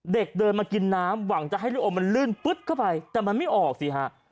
เด็กเดินมากินน้ำหวังจะให้ลูกอมมันลื่นปึ๊ดเข้าไปแต่มันไม่ออกสิฮะ